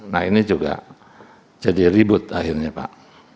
nah ini juga jadi ribut akhirnya pak